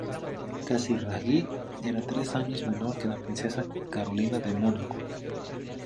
Casiraghi era tres años menor que la princesa Carolina de Mónaco.